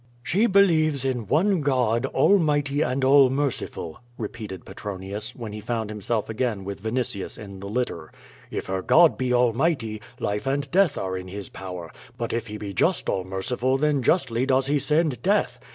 "She believes in one God, almighty and all merciful," re peated Petronius, when he found himself again with Vinitius in the litter. "If her God be almighty, life and death are in his power; but if he be just all merciful then justly does he send death.